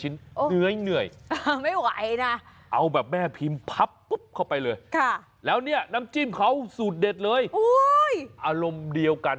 เหนื่อยเอาแบบแม่พิมพ์พับเข้าไปเลยแล้วน้ำจิ้มเขาสูตรเด็ดเลยอารมณ์เดียวกัน